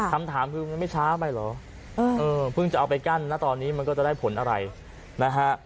คำถามคือมันไม่ช้าไปเหรอเออเพิ่งจะเอาไปกั้นนะตอนนี้มันก็จะได้ผลอะไรนะฮะ